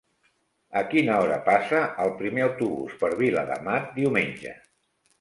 A quina hora passa el primer autobús per Viladamat diumenge?